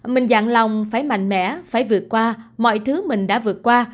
mình dạng lòng phải mạnh mẽ phải vượt qua mọi thứ mình đã vượt qua